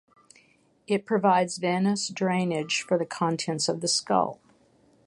It provides venous drainage for the contents of the skull.